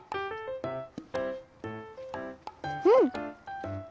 うん！